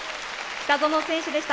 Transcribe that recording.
北園選手でした。